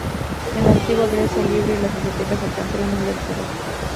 En la antigua Grecia el libro y las bibliotecas alcanzaron un gran desarrollo.